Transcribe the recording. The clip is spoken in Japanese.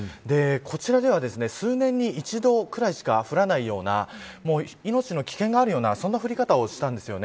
こちらでは数年に一度ぐらいしか降らないような命の危険があるようなそんな降り方をしたんです。